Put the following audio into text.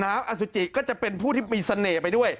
แล้วอสุจิก็จะเป็นผู้ที่มีเสน่ห์ไปด้วย